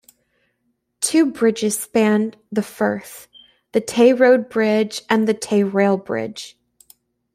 Two bridges span the firth, the Tay Road Bridge and the Tay Rail Bridge.